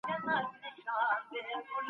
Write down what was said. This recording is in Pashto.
لوستې مور د اوبو فلټر کارولو ته پام کوي.